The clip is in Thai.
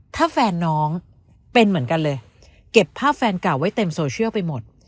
ถ้าแฟนน้องเป็นเหมือนกันเลยเก็บภาพแฟนเก่าไว้เต็มโซเชียลไปหมด